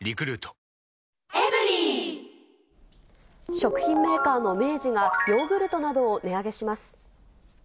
食品メーカーの明治が、ヨーグルトなどを値上げします。